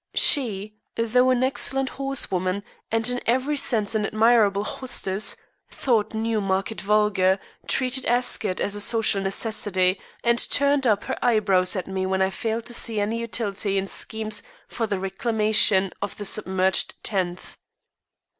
She, though an excellent horsewoman, and in every sense an admirable hostess, thought Newmarket vulgar, treated Ascot as a social necessity, and turned up her eyebrows at me when I failed to see any utility in schemes for the reclamation of the submerged tenth.